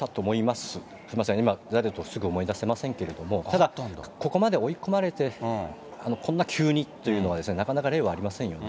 すみません、誰だというのはすぐ思い出せませんけれども、ただ、ここまで追い込まれて、こんな急にというのは、なかなか例はありませんよね。